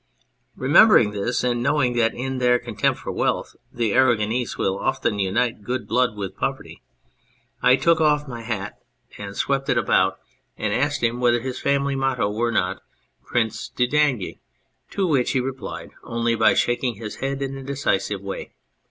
Remembering this, and knowing that in their contempt for wealth the Aragonese will often unite good blood with poverty, I took off my hat and 4 On Building Castles in Spain swept it about, and asked him whether his family motto were not ' Prince ne daigne,' to which he replied only by shaking his head in a decisive way.